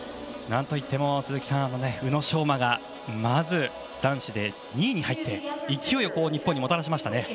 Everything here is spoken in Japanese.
何といっても宇野昌磨がまず男子で２位に入って勢いを日本にもたらしました。